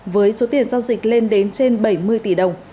với số tiền giao dịch lên đến trên bảy mươi tỷ đồng